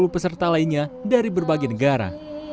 lima puluh peserta lainnya dari berbagai negara